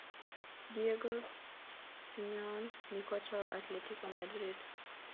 diego simeone ni kocha wa athletico madrid